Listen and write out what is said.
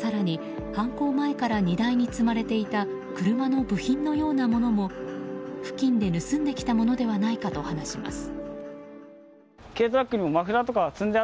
更に犯行前から荷台に積まれていた車の部品のようなものも付近で盗んできたものではないかと話します。